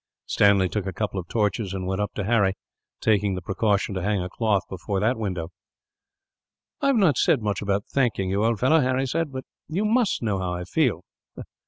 Stanley took a couple of torches and went up to Harry, taking the precaution to hang a cloth before the window. "I have not said much about thanking you, old fellow," Harry said, "but you must know how I feel."